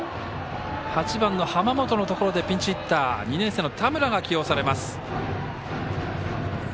８番の濱本のところでピンチヒッター２年生の田村が起用されます。